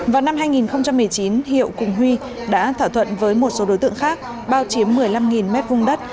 vào năm hai nghìn một mươi chín hiệu cùng huy đã thảo thuận với một số đối tượng khác bao chiếm một mươi năm m hai đất